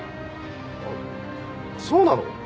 あっそうなの？